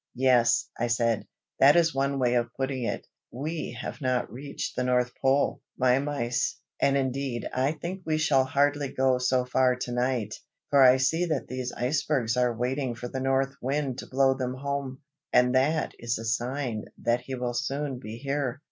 "Yes," I said, "that is one way of putting it. We have not reached the North Pole, my mice, and indeed I think we shall hardly go so far to night, for I see that these icebergs are waiting for the North Wind to blow them home, and that is a sign that he will soon be here.